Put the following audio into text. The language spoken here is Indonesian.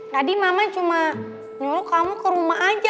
tadi mama cuma nyuruh kamu ke rumah aja